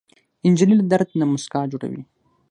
نجلۍ له درد نه موسکا جوړوي.